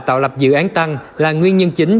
tạo lập dự án tăng là nguyên nhân chính